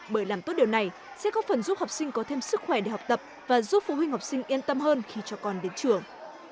bởi làm tốt điều này sẽ có phần giúp học sinh có thêm sức khỏe để học tập và giúp phụ huynh học sinh yên tâm hơn khi cho con đến trường